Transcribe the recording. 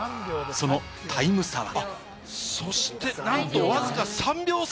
そのタイム差は。